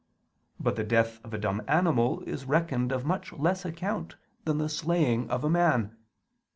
But the death of a dumb animal is reckoned of much less account than the slaying of a man.